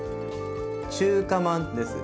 「中華まんです」。